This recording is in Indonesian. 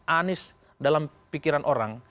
anies dalam pikiran orang